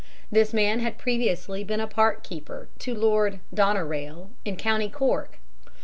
This man had previously been a park keeper to Lord Doneraile in Co. Cork.